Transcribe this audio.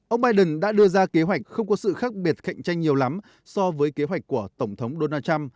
ông biden đã đưa ra kế hoạch không có sự khác biệt cạnh tranh nhiều lắm so với kế hoạch của tổng thống donald trump